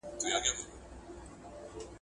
او دردو راهيسي